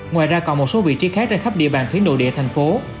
ngoài ra còn một số vị trí khác trên khắp địa bàn thúy nội địa thành phố